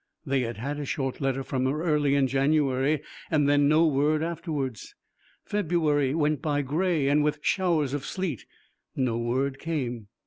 They had had a short letter from her early in January, and then no word afterwards. February went by gray and with showers of sleet: no word came.